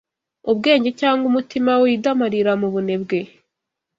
Ubwenge cyangwa umutima widamararira mu bunebwe